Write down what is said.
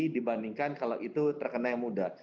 dibandingkan kalau itu terkena yang muda